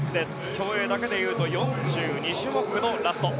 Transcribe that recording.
競泳だけで言うと４２種目のラスト。